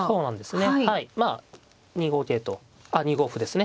まあ２五桂とあっ２五歩ですね。